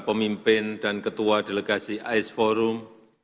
pemimpin dan ketua delegasi ais forum